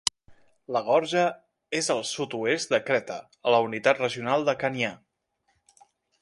La gorja és al sud-oest de Creta, en la unitat regional de Khanià.